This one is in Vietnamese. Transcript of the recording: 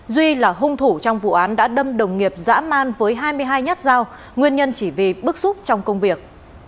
duy là hung thủ trong vụ án đã đâm đồng nghiệp dã man với hai mươi hai nhát dao nguyên nhân chỉ vì bức xúc trong công việc